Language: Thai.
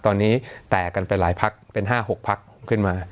ตอนนี้แตกกันไปหลายพักเป็น๕๖พักขึ้นมา